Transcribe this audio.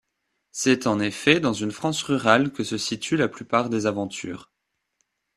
C’est, en effet, dans une France rurale que se situent la plupart des aventures.